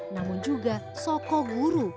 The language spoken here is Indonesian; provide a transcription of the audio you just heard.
namun juga soko guru